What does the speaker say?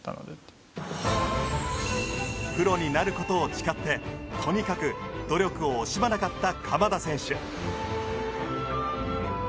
プロになる事を誓ってとにかく努力を惜しまなかった鎌田選手。